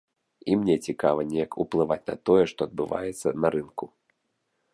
І мне цікава неяк уплываць на тое, што адбываецца на рынку.